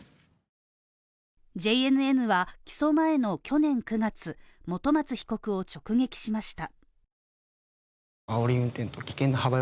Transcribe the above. ＪＮＮは起訴前の去年９月、本松被告を直撃しました。